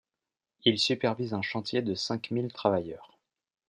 Il supervise un chantier de cinq mille travailleurs.